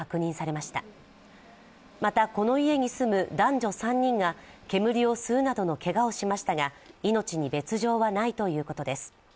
また、この家に住む男女３人が煙を吸うなどのけがをしましたが命に別状はないということです。